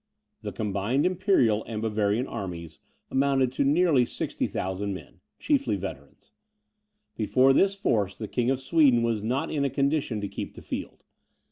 The combined Imperial and Bavarian armies amounted to nearly 60,000 men, chiefly veterans. Before this force, the King of Sweden was not in a condition to keep the field.